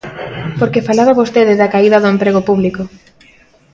Porque falaba vostede da caída do emprego público.